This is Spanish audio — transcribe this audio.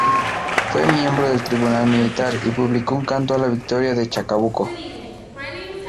Fue miembro del tribunal militar, y publicó un canto a la victoria de Chacabuco.